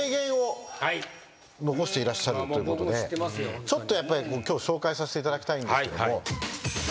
残していらっしゃるということでちょっとやっぱり今日紹介させていただきたいんですけども。